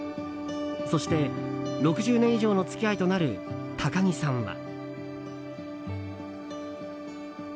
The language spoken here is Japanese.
そして、６０年以上の付き合いとなる高木さんは。